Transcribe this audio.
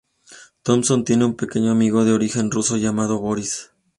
Thompson tiene un pequeño amigo de origen Ruso llamado Boris.